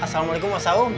assalamualaikum mas aum